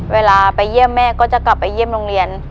เวลาไปเยี่ยมแม่ก็จะกลับไปเยี่ยมโรงเรียน